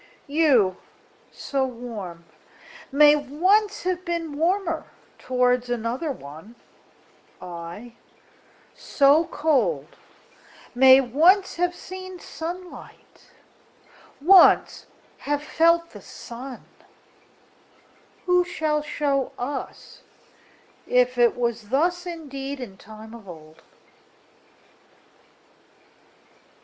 You, so warm, may once have beenWarmer towards another one:I, so cold, may once have seenSunlight, once have felt the sun:Who shall show us if it wasThus indeed in time of old?